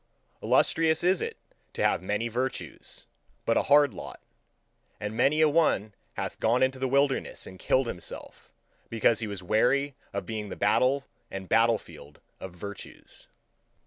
Illustrious is it to have many virtues, but a hard lot; and many a one hath gone into the wilderness and killed himself, because he was weary of being the battle and battlefield of virtues.